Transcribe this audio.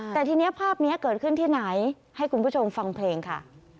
แต่ทีนี้ภาพนี้เกิดขึ้นที่ไหนให้คุณผู้ชมฟังเพลงค่ะ